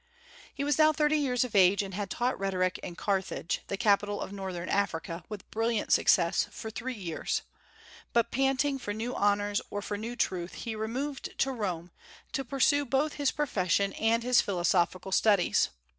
He was now thirty years of age, and had taught rhetoric in Carthage, the capital of Northern Africa, with brilliant success, for three years; but panting for new honors or for new truth, he removed to Rome, to pursue both his profession and his philosophical studies.